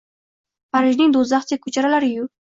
Parijning do’zaxdek ko’chalari-yu